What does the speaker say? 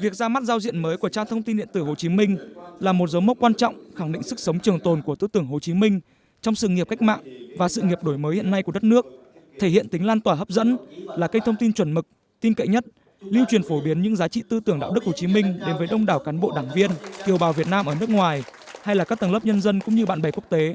việc ra mắt giao diện mới của trang thông tin điện tử hồ chí minh là một dấu mốc quan trọng khẳng định sức sống trường tồn của tư tưởng hồ chí minh trong sự nghiệp cách mạng và sự nghiệp đổi mới hiện nay của đất nước thể hiện tính lan tỏa hấp dẫn là cây thông tin chuẩn mực tin cậy nhất lưu truyền phổ biến những giá trị tư tưởng đạo đức hồ chí minh đến với đông đảo cán bộ đảng viên kiều bào việt nam ở nước ngoài hay là các tầng lớp nhân dân cũng như bạn bè quốc tế